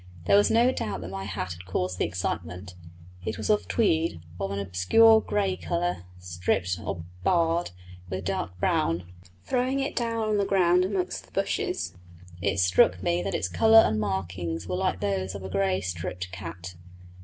There was no doubt that my hat had caused the excitement; it was of tweed, of an obscure grey colour, striped or barred with dark brown. Throwing it down on the ground among the bushes it struck me that its colour and markings were like those of a grey striped cat.